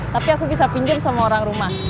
tapi aku bisa pinjam sama orang rumah